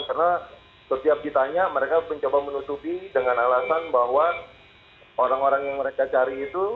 karena setiap ditanya mereka mencoba menutupi dengan alasan bahwa orang orang yang mereka cari itu